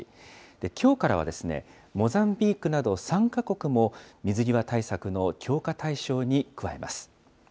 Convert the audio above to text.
きょうからは、モザンビークなど、３か国も水際対策の強化対象に加えます。